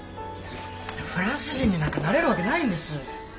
フランス人になんかなれるわけないんです。